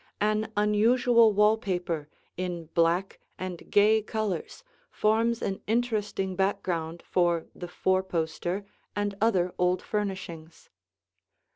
An unusual wall paper in black and gay colors forms an interesting background for the four poster and other old furnishings.